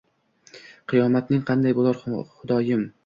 Qiyomating qanday bo’lar Xudoyim?